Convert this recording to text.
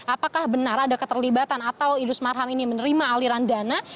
apakah benar ada keterlibatan atau idrus marham ini menerima aliran dana